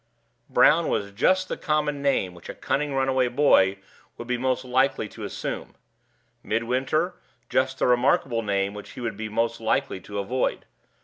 Brown was just the common name which a cunning runaway boy would be most likely to assume; Midwinter, just the remarkable name which he would be most likely to avoid.